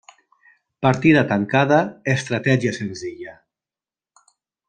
Partida tancada, estratègia senzilla.